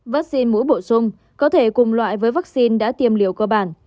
vắc xin mũi bổ sung có thể cùng loại với vắc xin đã tiêm liều cơ bản